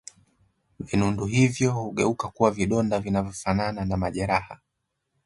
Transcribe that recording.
Vinundu hivyo hugeuka kuwa vidonda vinavyofanana na majeraha